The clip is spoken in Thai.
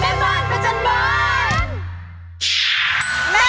แม่บ้านประจันบรรษสวัสดีค่ะ